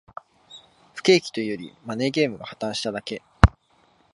不景気というより、マネーゲームが破綻しただけ